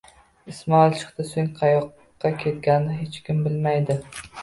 Ismoil chiqdi. So'ng qayoqqa ketganini hech kim bilmaydi.